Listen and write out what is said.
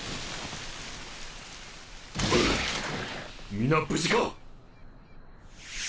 皆無事か！？